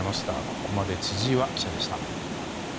ここまで千々岩記者でした。